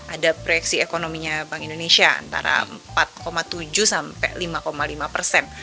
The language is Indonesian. ada proyeksi ekonominya bank indonesia antara empat tujuh sampai lima lima persen